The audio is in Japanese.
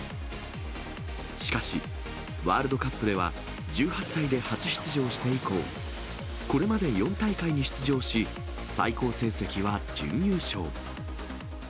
しかし、ワールドカップでは１８歳で初出場して以降、これまで４大会に出場し、最高成績は準優勝。